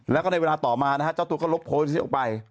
แล้วก็ในเวลาต่อมานะฮะเจ้าตัวก็ลบโพสต์นี้ออกไป